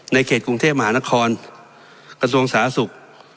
เขตกรุงเทพมหานครกระทรวงสาธารณสุข